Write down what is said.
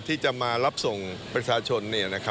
ที่จะมารับส่งประชาชน